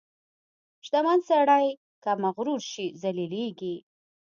• شتمن سړی که مغرور شي، ذلیلېږي.